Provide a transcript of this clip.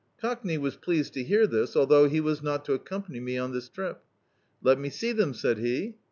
Cockney was pleased to hear this, although he was not to accom pany me on this trip. "Let me see them," said he.